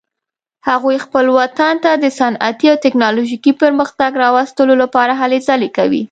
هغوی خپل وطن ته د صنعتي او تکنالوژیکي پرمختګ راوستلو لپاره هلې ځلې کوي